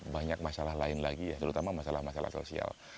banyak masalah lain lagi ya terutama masalah masalah sosial